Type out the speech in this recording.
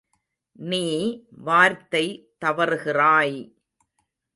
நீ வார்த்தை தவறுகிறாய்!